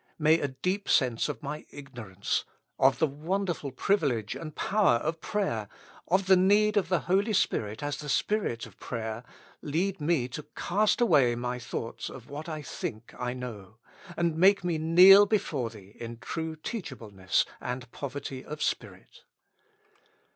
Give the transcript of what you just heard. May a deep sense of my ignorance, of the wonderful privilege and power of prayer, of the need of the Holy Spirit as the Spirit of prayer, lead me to cast away my thoughts of what I think I know, and make me kneel before Thee in true teach ableness and poverty of spirit.